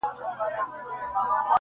هغه په ژړا ستغ دی چي يې هيڅ نه ژړل.